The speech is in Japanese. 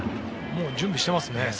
もう準備してますね。